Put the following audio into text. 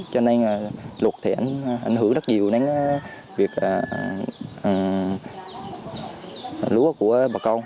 cho nên lụt thì ảnh hưởng rất nhiều đến việc lúa của bà con